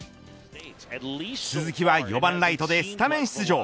鈴木は４番ライトでスタメン出場。